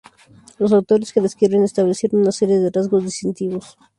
Los autores que describen establecieron una serie de rasgos distintivos.